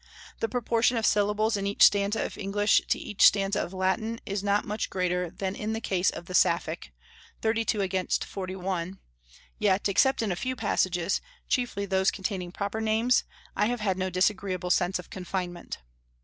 The proportion of syllables in each stanza of English to each stanza of Latin is not much greater than in the case of the Sapphic, thirty two against forty one; yet, except in a few passages, chiefly those containing proper names, I have had no disagreeable sense of confinement.